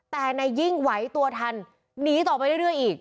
แต่นายยิ่งไหวตัวทันหนีต่อไปเรื่อยอีก